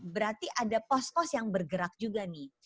berarti ada pos pos yang bergerak juga nih